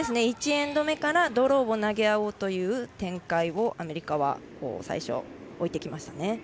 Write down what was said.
１エンド目からドローを投げ合おうという展開をアメリカは最初、置いてきましたね。